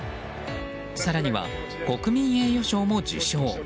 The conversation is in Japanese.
更には国民栄誉賞も受賞。